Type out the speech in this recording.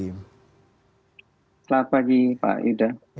selamat pagi pak ida